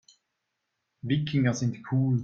Wikinger sind cool.